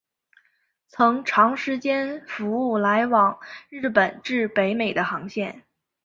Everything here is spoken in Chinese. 曾长时间服务来往日本至北美的航线。